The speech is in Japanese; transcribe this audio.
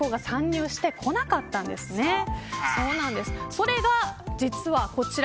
それが実はこちら